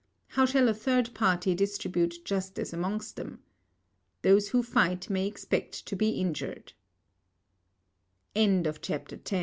How shall a third party distribute justice amongst them? Those who fight may expect to be injured. CHAPTER XI THE CONDIT